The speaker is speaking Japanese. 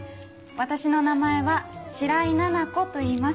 私の名前は白井奈々子といいます。